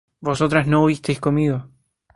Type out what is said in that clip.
vosotras no hubisteis comido